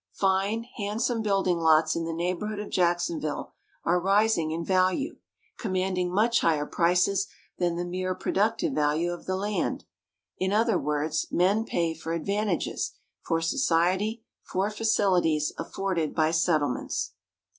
Fine, handsome building lots in the neighborhood of Jacksonville are rising in value, commanding much higher prices than the mere productive value of the land. In other words, men pay for advantages, for society, for facilities afforded by settlements.